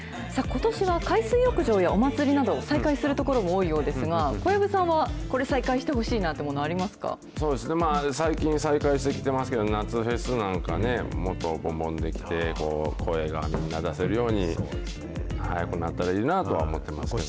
ことしは海水浴場やお祭りなど、再開する所も多いようですが、小籔さんは、これ再開してほしいな最近、再開してきてますけど、夏フェスなんか、もっとぼんぼんできて、声がみんな出せるように、早くなったらいいなとは思ってますけど。